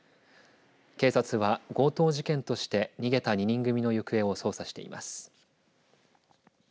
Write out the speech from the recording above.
警察は強盗事件として逃げた２人組の行方を捜査しています。